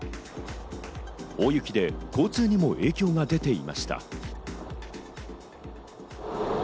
大雪で交通にも影響が出ていまし